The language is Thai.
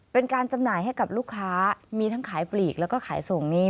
จำหน่ายให้กับลูกค้ามีทั้งขายปลีกแล้วก็ขายส่งนี้